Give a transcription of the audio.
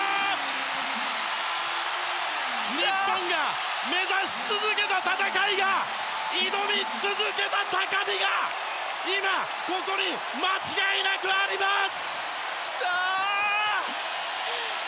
日本が目指し続けた戦いが挑み続けた高みが今、ここに間違いなくあります！